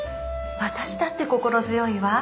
私だって心強いわ。